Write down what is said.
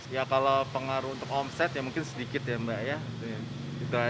ya kalau pengaruh untuk omset ya mungkin sedikit ya mbak ya